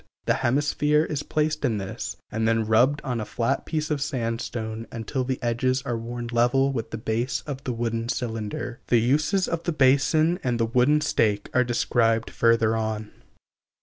The hemisphere is placed in this, and then rubbed on a flat piece of sandstone until the edges are worn level with the base of the wooden cylinder. The uses of the basin and the wooden stake are described further on.